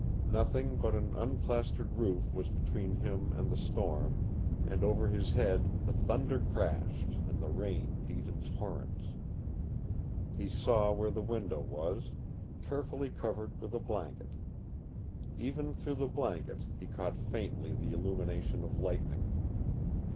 Nothing but an unplastered roof was between him and the storm, and over his head the thunder crashed, and the rain beat in torrents. He saw where the window was, carefully covered with a blanket. Even through the blanket he caught faintly the illumination of lightning.